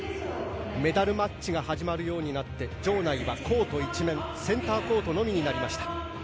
メダルマッチが始まって場内はコート一面センターコートのみになりました。